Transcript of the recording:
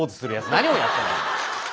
何をやってんだ！